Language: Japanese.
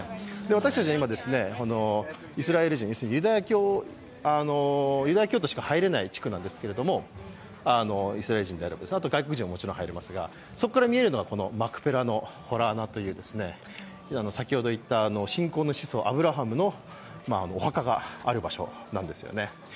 私たちは今、イスラエル人ユダヤ教徒しか入れない地区なんですけど、そのあと外国人はもちろん入れるんですがそこから見えるのがマクペラの洞穴という信仰の始祖、アブラハムのお墓がある場所なんですね。